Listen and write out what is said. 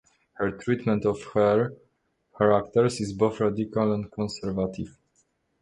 Her treatment of her characters is both radical and conservative.